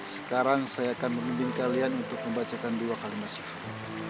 sekarang saya akan mengunding kalian untuk membacakan dua kalimat suhaim